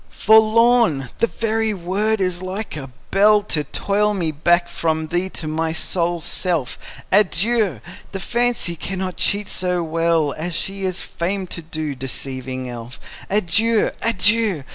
Forlorn! the very word is like a bell To toll me back from thee to my sole self! Adieu! the fancy cannot cheat so well As she is famed to do, deceiving elf. Adieu! adieu!